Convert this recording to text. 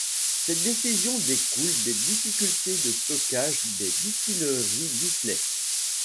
Cette décision découle des difficultés de stockage des distilleries d’Islay.